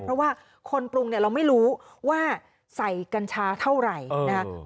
เพราะว่าคนปรุงเนี่ยเราไม่รู้ว่าใส่กัญชาเท่าไหร่นะคะ